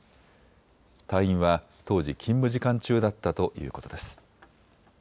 隊員は当時、勤務時間中だったということです。